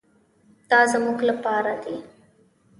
دا زموږ لپاره دي.